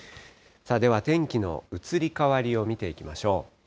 では天気の移り変わりを見ていきましょう。